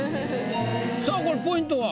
さぁこれポイントは？